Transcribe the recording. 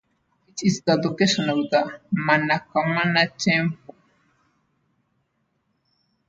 It is the location of the Manakamana Temple.